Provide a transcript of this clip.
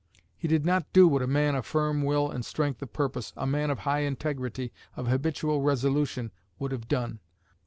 He did not do what a man of firm will and strength of purpose, a man of high integrity, of habitual resolution, would have done.